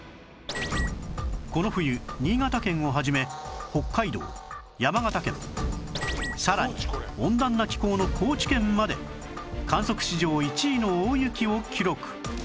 この冬新潟県を始め北海道山形県さらに温暖な気候の高知県まで観測史上１位の大雪を記録